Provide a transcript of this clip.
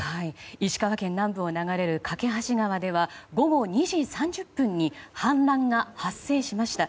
石川県南部を流れる梯川では午後２時３０分に氾濫が発生しました。